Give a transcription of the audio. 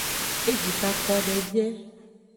Ejikako de vie.